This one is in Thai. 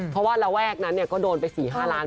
เพราะว่าระแรกก็โดนไป๔๕ล้านบาท